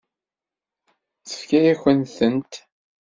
Tefka-yakent-tent?